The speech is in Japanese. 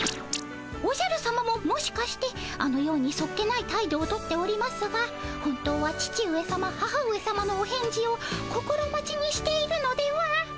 おじゃるさまももしかしてあのようにそっけない態度を取っておりますが本当は父上さま母上さまのお返事を心待ちにしているのでは？